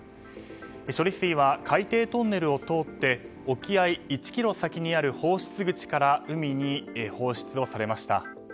処理水は海底トンネルを通って沖合１ｋｍ先にある放出口から海に放出をされました。